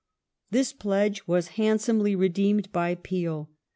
This pledge was handsomely redeemed by Peel.